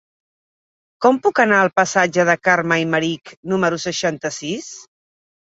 Com puc anar al passatge de Carme Aymerich número seixanta-sis?